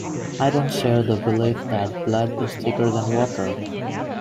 I don't share the belief that blood is thicker than water.